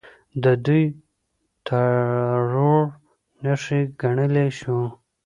د دوی ټرور نښې ګڼلی شو.